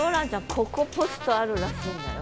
ここポストあるらしいんだよ。